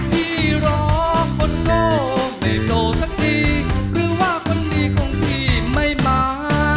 พี่รอคนโง่ไม่โง่สักทีหรือว่าคนดีของพี่ไม่มา